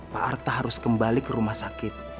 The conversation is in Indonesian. pak arta harus kembali ke rumah sakit